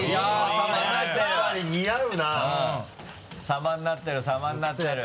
様になってる様になってる。